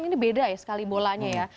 ini beda ya sekali bolanya ya